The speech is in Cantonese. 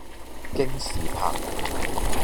京士柏